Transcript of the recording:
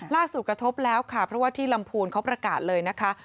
กระทบแล้วค่ะเพราะว่าที่ลำพูนเขาประกาศเลยนะคะ